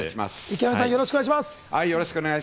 池上さん、よろしくお願いいたします。